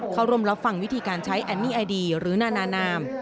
เข้าร่วมรับฟังวิธีการใช้แอนนี่ไอดีหรือนานาม